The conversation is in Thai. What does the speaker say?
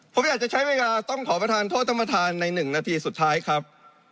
ผมอยากจะต้องใช้เวลาแต่ต้องขอผีธานโทษท่านท่านในหนึ่งนาทีสุดท้ายครับ